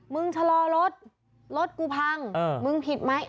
ชะลอรถรถกูพังมึงผิดไหม